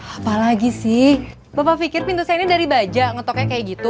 apalagi sih bapak pikir pintu saya ini dari baja ngetoknya kayak gitu